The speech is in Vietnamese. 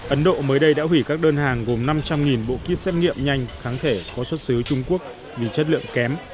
ấn độ mới đây đã hủy các đơn hàng gồm năm trăm linh bộ kit xét nghiệm nhanh kháng thể có xuất xứ trung quốc vì chất lượng kém